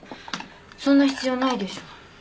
そんな必要ないでしょ。